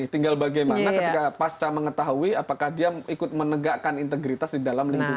tinggal bagaimana ketika pasca mengetahui apakah dia ikut menegakkan integritas di dalam lingkungan